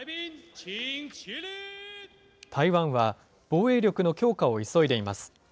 台湾は防衛力の強化を急いでいます。